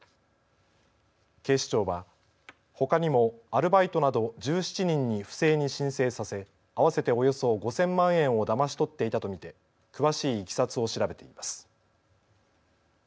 警視庁はほかにもアルバイトなど１７人に不正に申請させ合わせて、およそ５０００万円をだまし取っていたとみて詳しいいきさつを調べています。